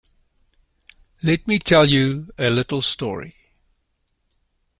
Let me tell you a little story.